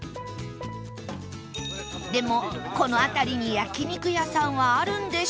この辺りに焼肉屋さんはあるんでしょうか？